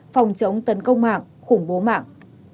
phòng chống tấn công mạng khủng bố mạng